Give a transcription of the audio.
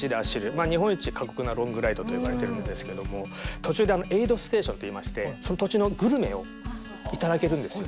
まあ日本一過酷なロングライドと呼ばれてるんですけども途中でエイドステーションといいましてその土地のグルメを頂けるんですよ。